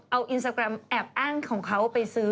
เอาอินสตาแกรมแอบอ้างของเขาไปซื้อ